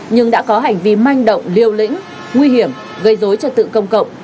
nhưng đã có hành vi manh động liều lĩnh nguy hiểm gây dối trật tự công cộng